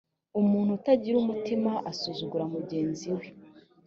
umuntu utagira umutima asuzugura mugenzi we